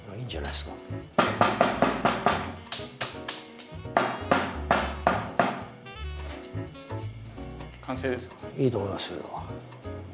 いいと思いますよ。